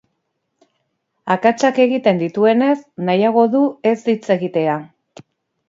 Akatsak egiten dituenez, nahiago du ez hitz egitea.